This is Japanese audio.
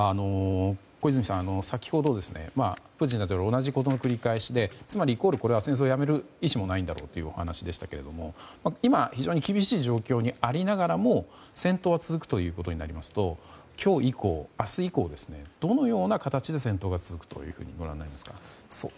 小泉さん、先ほどプーチン大統領同じことの繰り返しでイコール戦争をやめる意思がないんだろうというお話でしたが今非常に厳しい状況にありながらも戦闘は続くということになりますと明日以降、どのような形で戦闘が続くというふうにご覧になりますか。